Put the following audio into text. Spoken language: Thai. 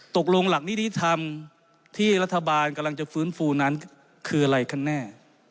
ตกลงหลักนิตถามที่รัฐบาลกำลังจะฟื้นฟูนั้นคืออะไรคะแน่